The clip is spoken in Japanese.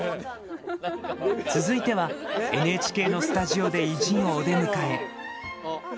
続いてはＮＨＫのスタジオで偉人をお出迎え。